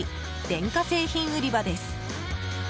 電化製品売り場です。